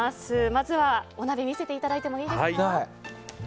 まずはお鍋、見せていただいてよろしいですか。